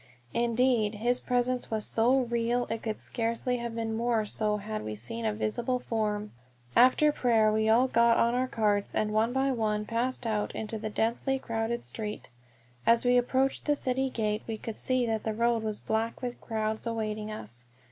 Indeed, his presence was so real it could scarcely have been more so had we seen a visible form. After prayer we all got on our carts, and one by one passed out into the densely crowded street. As we approached the city gate we could see that the road was black with crowds awaiting us.